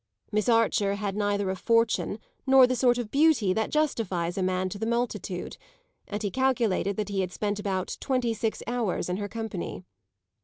Miss Archer had neither a fortune nor the sort of beauty that justifies a man to the multitude, and he calculated that he had spent about twenty six hours in her company.